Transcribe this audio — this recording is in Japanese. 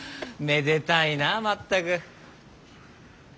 めでたいな全く。